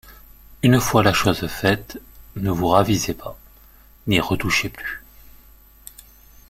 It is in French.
Une fois la chose faite, ne vous ravisez pas, n’y retouchez plus.